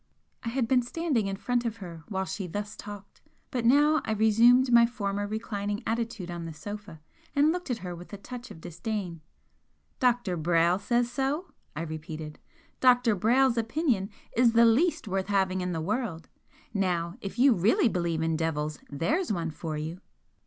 I had been standing in front of her while she thus talked, but now I resumed my former reclining attitude on the sofa and looked at her with a touch of disdain. "Dr. Brayle says so!" I repeated "Dr. Brayle's opinion is the least worth having in the world! Now, if you really believe in devils, there's one for you!"